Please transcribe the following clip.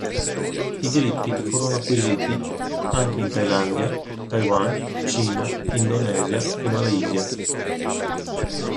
I diritti furono acquisiti anche in Thailandia, Taiwan, Cina, Indonesia e Malaysia.